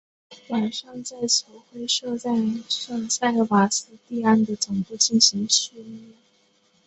晚上在球会设在圣塞瓦斯蒂安的总部进行训练。